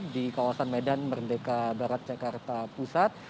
di kawasan medan merdeka barat jakarta pusat